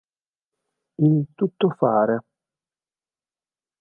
Il tuttofare